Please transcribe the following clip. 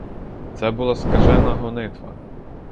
Це була скажена гонитва.